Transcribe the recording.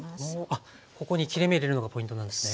あっここに切れ目入れるのがポイントなんですね。